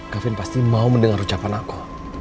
kevin pasti mau mendengar ucapan aku